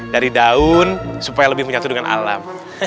dari daun supaya lebih menyatu dengan alam